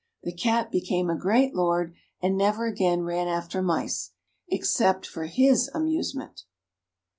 The Cat became a great lord, and never again ran after mice, except for his amusement.